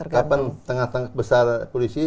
kapan tengah tengah besar polisi